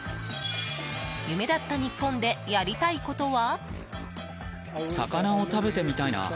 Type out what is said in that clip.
夢だった日本でやりたいことは？